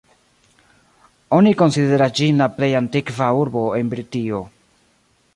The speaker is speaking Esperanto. Oni konsideras ĝin la plej antikva urbo en Britio.